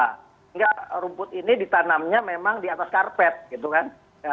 sehingga rumput ini ditanamnya memang di atas karpet gitu kan